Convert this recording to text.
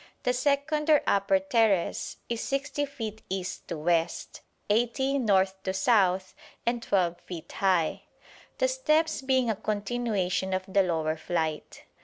The second or upper terrace is 60 feet east to west, 80 north to south, and 12 feet high; the steps being a continuation of the lower flight.